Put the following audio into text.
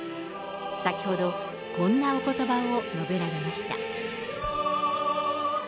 先ほど、こんなおことばを述べられました。